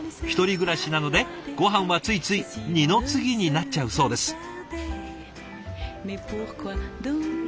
１人暮らしなのでごはんはついつい二の次になっちゃうそうです。